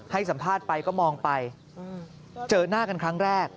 ให้สัมภาษณ์ไปก็มองไปเจอหน้ากันครั้งแรก